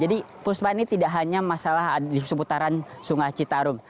jadi puspan ini tidak hanya masalah di seputaran sungai citarum